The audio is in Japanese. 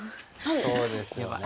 そうですよね。